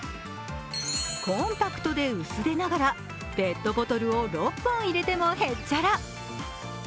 コンパクトで薄手ながら、ペットボトルを６本入れてもへっちゃら。